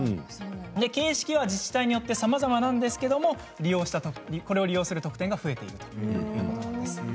形式は自治体によってさまざまなんですがこれを利用する特典が増えているということです。